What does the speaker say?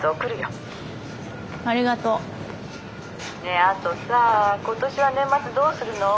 ねえあとさ今年は年末どうするの？